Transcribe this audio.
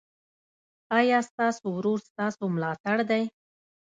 ایا ستاسو ورور ستاسو ملاتړ دی؟